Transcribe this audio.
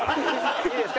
いいですか？